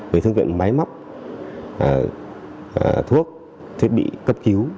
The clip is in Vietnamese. về thương viện máy mắp thuốc thiết bị cất cứu